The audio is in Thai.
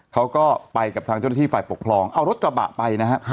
เขาก็ไปกับทางเจ้าหน้าที่ฝ่ายปกครองเอารถกระบะไปนะฮะ